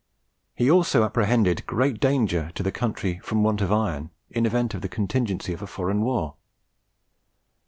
He also apprehended great danger to the country from want of iron in event of the contingency of a foreign war.